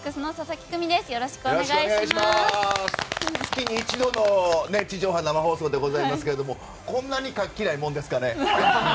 月に一度の地上波生放送でございますけれどもこんなに活気ないもんですかね。